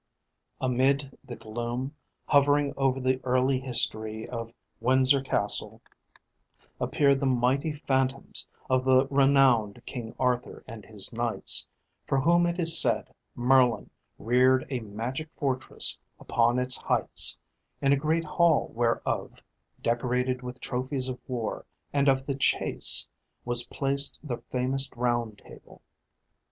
Amid the gloom hovering over the early history of Windsor Castle appear the mighty phantoms of the renowned King Arthur and his knights, for whom it is said Merlin reared a magic fortress upon its heights, in a great hall whereof, decorated with trophies of war and of the chase, was placed the famous Round Table.